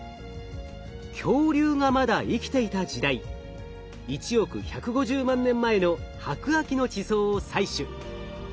恐竜がまだ生きていた時代１億１５０万年前の白亜紀の地層を採取。